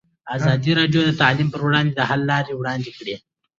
ازادي راډیو د تعلیم پر وړاندې د حل لارې وړاندې کړي.